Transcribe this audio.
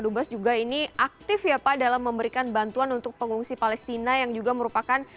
dubas juga ini aktif ya pak dalam memberikan bantuan untuk pengungsi palestina yang juga merupakan